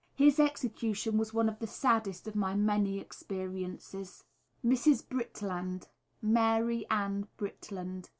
His execution was one of the saddest of my many experiences. [Illustration: Mrs. Britland.] _Mary Ann Britland.